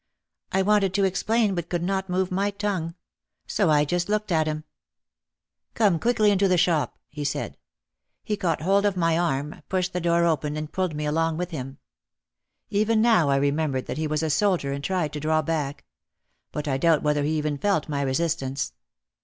I wanted to explain but could not move my tongue. So I just looked at him. "Come quickly into the shop," he said. He caught OUT OF THE SHADOW 119 hold of my arm, pushed the door open and pulled me along with him. Even now I remembered that he was a soldier and tried to draw back. But I doubt whether he even felt my resistance.